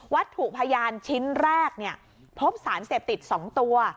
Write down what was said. ถูกพยานชิ้นแรกพบสารเสพติด๒ตัว